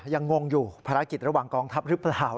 งงอยู่ภารกิจระหว่างกองทัพหรือเปล่า